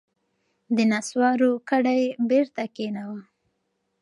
د نسوارو کډه یې بېرته کښېناوه.